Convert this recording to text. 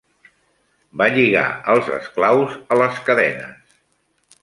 Va lligar els esclaus a les cadenes.